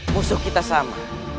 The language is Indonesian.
musuh kita sama